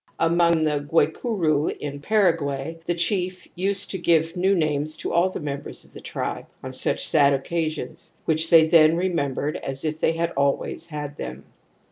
Among the Guayciuni in Paraguay the chief used to give new names to all the members of the tribe, on such sad occasions, which they then remembered as if they had always had them*i.